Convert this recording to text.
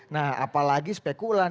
nah apalagi spekulan